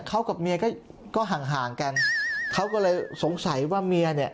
เขากับเมียก็ก็ห่างห่างกันเขาก็เลยสงสัยว่าเมียเนี่ย